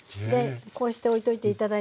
こうして置いておいて頂いて。